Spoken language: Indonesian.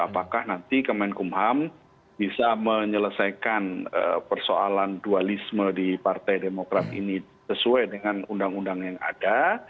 apakah nanti kemenkumham bisa menyelesaikan persoalan dualisme di partai demokrat ini sesuai dengan undang undang yang ada